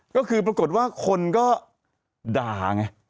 ก็คือปรากฏว่าคนก็ด่าไง